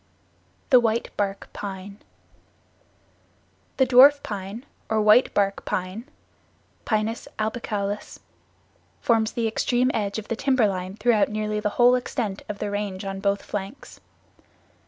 The White Bark Pine The Dwarf Pine, or White Bark Pine (Pinus albicaulis), forms the extreme edge of the timberline throughout nearly the whole extent of the Range on both flanks.